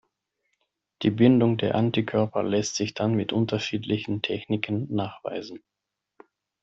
Die Bindung der Antikörper lässt sich dann mit unterschiedlichen Techniken nachweisen.